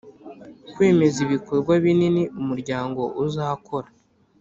Kwemeza ibikorwa binini umuryango uzakora